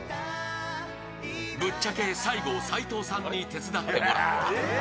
ぶっちゃけ最後、齋藤さんに手伝ってもらった。